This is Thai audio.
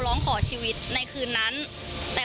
ดีกว่าจะได้ตัวคนร้าย